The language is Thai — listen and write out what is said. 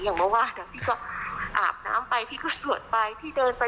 เมื่อวานพี่ก็อาบน้ำไปที่ก็สวดไปที่เดินไป